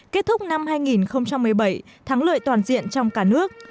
kết thúc năm hai nghìn một mươi bảy thắng lợi toàn diện trong cả nước